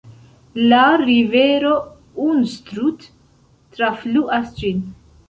La rivero Unstrut trafluas ĝin.